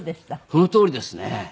そのとおりですね。